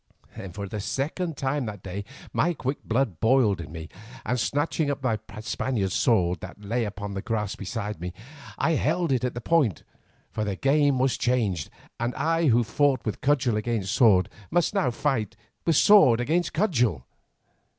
Then for the second time that day my quick blood boiled in me, and snatching up the Spaniard's sword that lay upon the grass beside me, I held it at the point, for the game was changed, and I who had fought with cudgel against sword, must now fight with sword against cudgel.